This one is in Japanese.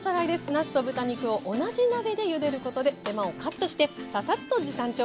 なすと豚肉を同じ鍋でゆでることで手間をカットしてササッと時短調理です。